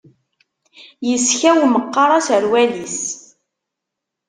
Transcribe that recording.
Yeskaw meqqar aserwal-is.